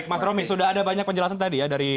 mas romi sudah ada banyak penjelasan tadi ya dari